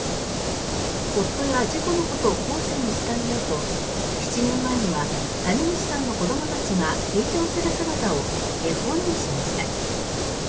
夫や事故のことを後世に伝えようと７年前には谷口さんの子どもたちが成長する姿を絵本にしました。